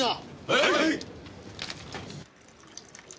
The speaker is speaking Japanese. はい！